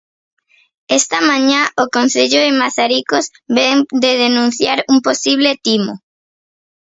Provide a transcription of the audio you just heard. Esta mañá o concello de Mazaricos vén de denunciar un posible timo.